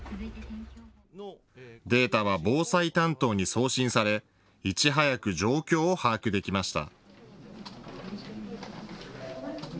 データは防災担当に送信されいち早く状況を把握できました。